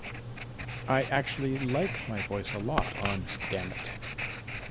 I actually like my voice a lot on 'Dammit'.